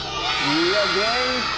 いや、元気！